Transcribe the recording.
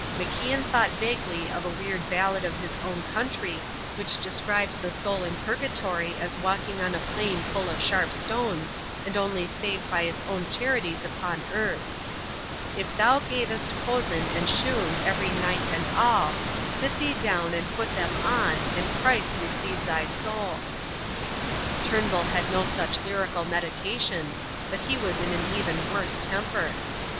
MacIan thought vaguely of a weird ballad of his own country which describes the soul in Purgatory as walking on a plain full of sharp stones, and only saved by its own charities upon earth. If ever thou gavest hosen and shoon Every night and all, Sit thee down and put them on, And Christ receive thy soul. Turnbull had no such lyrical meditations, but he was in an even worse temper.